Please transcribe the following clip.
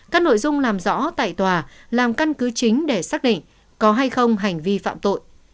các nội dung làm rõ tại tòa làm căn cứ chính để xác định có hay không hành vi phạm tội